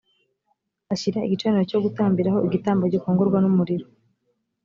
ashyira igicaniro cyo gutambiraho igitambo gikongorwa n ‘umuriro .